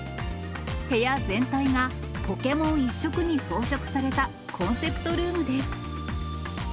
部屋全体がポケモン１色に装飾されたコンセプトルームです。